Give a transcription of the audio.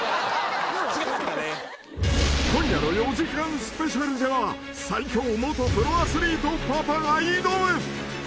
［今夜の４時間スペシャルでは最強元プロアスリートパパが挑む］